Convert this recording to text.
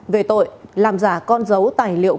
về tội làm giả con dấu tài liệu